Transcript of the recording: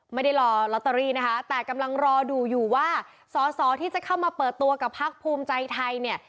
ไม่ได้รอลอตเตอรี่นะคะแต่กำลังรอดูอยู่ว่าสอสอที่จะเข้ามาเปิดตัวกับพักภูมิใจไทยเนี่ย